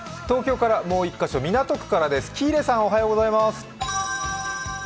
東京からもう１カ所港区からです、喜入さん。